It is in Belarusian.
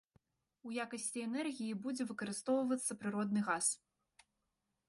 У якасці энергіі будзе выкарыстоўвацца прыродны газ.